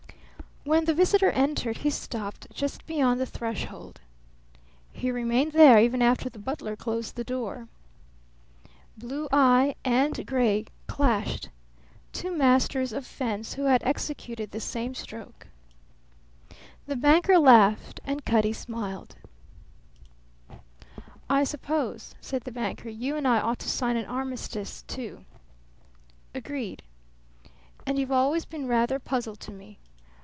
When the visitor entered he stopped just beyond the threshold. He remained there even after the butler closed the door. Blue eye and gray clashed; two masters of fence who had executed the same stroke. The banker laughed and Cutty smiled. "I suppose," said the banker, "you and I ought to sign an armistice, too." "Agreed." "And you've always been rather a puzzle to me.